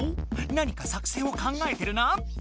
何か作戦を考えてるな？